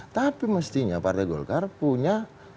tapi mestinya partai golkar punya